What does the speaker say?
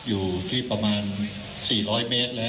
คุณผู้ชมไปฟังผู้ว่ารัฐกาลจังหวัดเชียงรายแถลงตอนนี้ค่ะ